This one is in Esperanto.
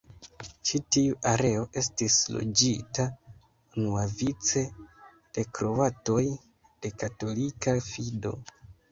Ĉi-tiu areo estis loĝita unuavice de kroatoj de katolika fido.